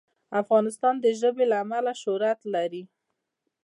افغانستان د ژبې له امله شهرت لري.